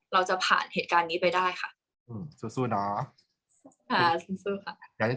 เราจะผ่านเหตุการณ์นี้ไปได้ค่ะสู้เนอะ